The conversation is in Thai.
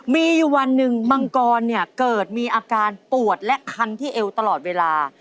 มีอยู่วันหนึ่งมังกรเนี่ยเกิดมีอาการปวดและคันที่เอวตลอดเวลา